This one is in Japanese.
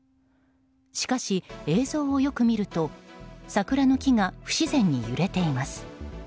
しかし、映像をよく見ると桜の木が不自然に揺れています。